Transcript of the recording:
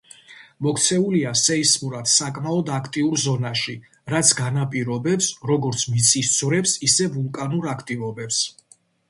მოქცეულია სეისმურად საკმაოდ აქტიურ ზონაში, რაც განაპირობებს როგორც მიწისძვრებს, ისე ვულკანურ აქტივობებს.